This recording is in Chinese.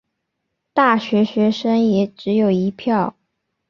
大学学生也只有一票